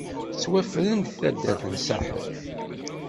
Tettwafren-d taddart n Saḥel.